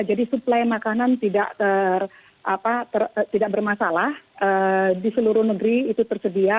jadi suplai makanan tidak bermasalah di seluruh negeri itu tersedia